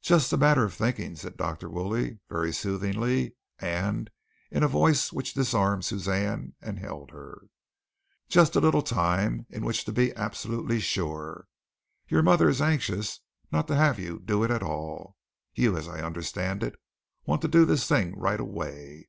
"Just the matter of thinking," said Dr. Woolley, very soothingly and in a voice which disarmed Suzanne and held her. "Just a little time in which to be absolutely sure. Your mother is anxious not to have you do it at all. You, as I understand it, want to do this thing right away.